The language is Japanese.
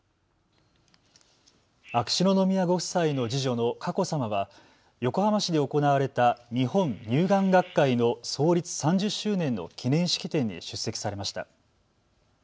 秋篠宮ご夫妻の次女の佳子さまは横浜市で行われた日本乳癌学会の創立３０周年の記念式典に出席されました。